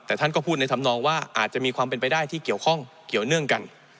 แต่ท่านก็พูดในธรรมนองว่าอาจจะมีความเป็นไปได้ที่เกี่ยวข้องเกี่ยวเนื่องกัน